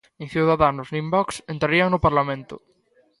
Nin Ciudadanos nin Vox entrarían no Parlamento.